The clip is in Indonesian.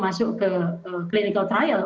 masuk ke clinical trial